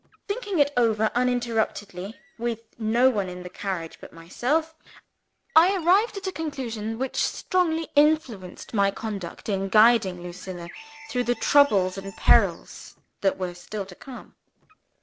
Thinking it over uninterruptedly, with no one in the carriage but myself, I arrived at a conclusion which strongly influenced my conduct in guiding Lucilla through the troubles and perils that were still to come.